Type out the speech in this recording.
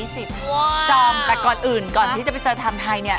จอมแต่ก่อนอื่นก่อนที่จะไปเจอทำไทยเนี่ย